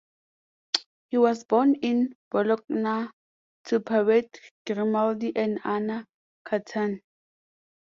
He was born in Bologna to Paride Grimaldi and Anna Cattani.